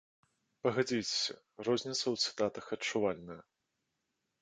Пагадзіцеся, розніца ў цытатах адчувальная.